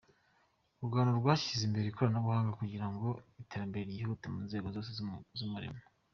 U Rwanda rwashyize imbere ikoranabuhanga kugira ngo iterambere ryihute mu nzego zose z’umurimo.